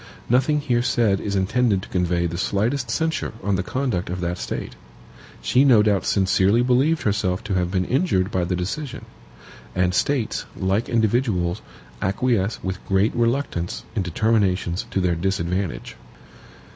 Nothing here said is intended to convey the slightest censure on the conduct of that State. She no doubt sincerely believed herself to have been injured by the decision; and States, like individuals, acquiesce with great reluctance in determinations to their disadvantage.